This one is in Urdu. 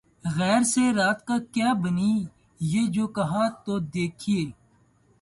’’ غیر سے رات کیا بنی ‘‘ یہ جو کہا‘ تو دیکھیے